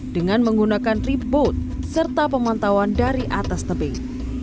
dengan menggunakan reboat serta pemantauan dari atas tebing